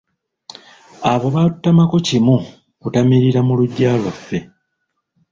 Abo baatutamako kimu kutamiirira mu luggya lwaffe.